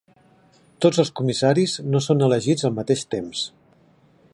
Tots els comissaris no són elegits al mateix temps.